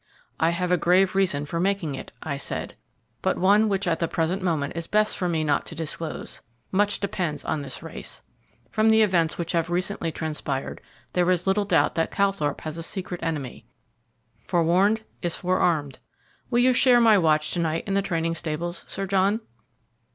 "I have a grave reason for making it," I said, "but one which at the present moment it is best for me not to disclose. Much depends on this race. From the events which have recently transpired, there is little doubt that Calthorpe has a secret enemy. Forewarned is forearmed. Will you share my watch to night in the training stables, Sir John?"